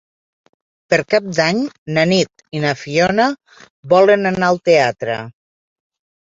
Per Cap d'Any na Nit i na Fiona volen anar al teatre.